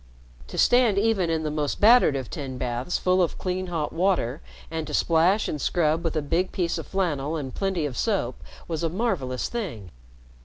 To stand even in the most battered of tin baths full of clean hot water and to splash and scrub with a big piece of flannel and plenty of soap was a marvelous thing.